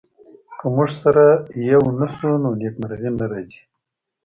که موږ سره يو نه سو نو نېکمرغي نه راځي.